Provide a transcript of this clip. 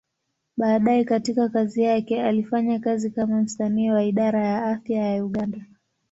Baadaye katika kazi yake, alifanya kazi kama msanii wa Idara ya Afya ya Uganda.